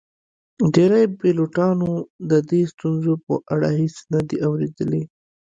ډیری پیلوټانو د دې ستونزو په اړه هیڅ نه دي اوریدلي